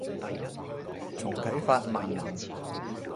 重啟法萬能